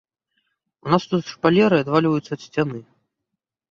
У нас тут шпалеры адвальваюцца ад сцяны.